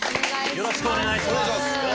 よろしくお願いします。